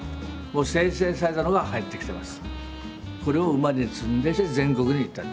精製されたのが入ってきてます。